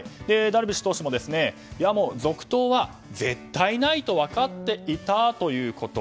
ダルビッシュ投手ももう、続投は絶対ないと分かっていたということ。